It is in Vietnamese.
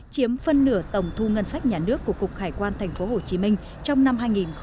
chiếm phân nửa tổng thu ngân sách nhà nước của cục hải quan tp hcm trong năm hai nghìn một mươi chín